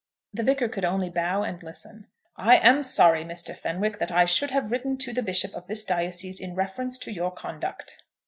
The Vicar could only bow and listen. "I am sorry, Mr. Fenwick, that I should have written to the bishop of this diocese in reference to your conduct."